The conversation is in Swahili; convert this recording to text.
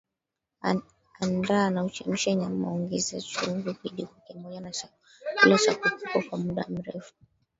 Andaa na uchemshe nyama ongeza chumvi kijiko kimoja cha chakula na kupika kwa muda kidogo